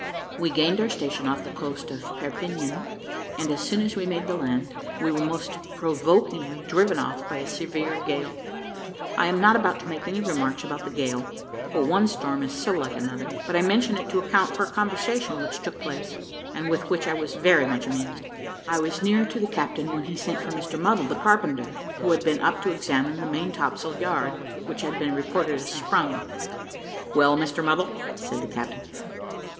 We gained our station off the coast of Perpignan; and as soon as we made the land, we were most provokingly driven off by a severe gale. I am not about to make any remarks about the gale, for one storm is so like another; but I mention it to account for a conversation which took place, and with which I was very much amused. I was near to the captain when he sent for Mr Muddle, the carpenter, who had been up to examine the main topsail yard, which had been reported as sprung. "Well, Mr Muddle," said the captain.